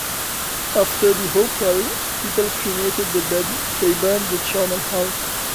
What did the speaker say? After the Hopewell people cremated the dead, they burned the charnel house.